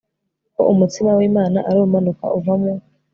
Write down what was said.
kuko umutsima w imana ari umanuka uva mu